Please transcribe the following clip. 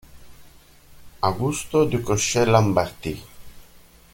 Augusto Duchoqué-Lambardi